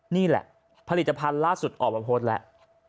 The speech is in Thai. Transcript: นี่แหละผลิตภัณฑ์ล่าสุดออกมาโพสต์แล้ว